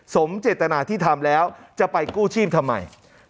สมเจตนาที่ทำแล้วจะไปกู้ชีพทำไม